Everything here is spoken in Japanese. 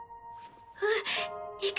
うん行く。